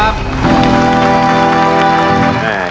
ไม่ใช้นะครับ